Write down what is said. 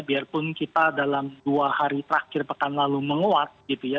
biarpun kita dalam dua hari terakhir pekan lalu menguat gitu ya